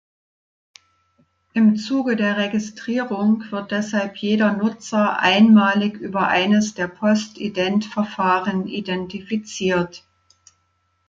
Im Zuge der Registrierung wird deshalb jeder Nutzer einmalig über eines der Postident-Verfahren identifiziert.